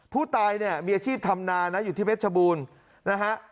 ผู้ตายเนี่ยมีอาชีพธรรมนานะอยู่ที่เม็ดชบูนนะฮะ